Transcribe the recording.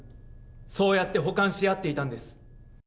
そうやって補完し合っていたんです。